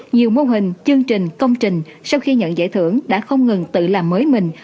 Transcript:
nhiều mô hình chương trình công trình sau khi nhận giải thưởng đã không ngừng tự làm mới mình